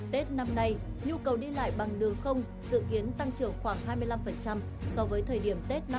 tết năm nay nhu cầu đi lại bằng đường không dự kiến tăng trưởng khoảng hai mươi năm so với thời điểm tết năm hai nghìn hai mươi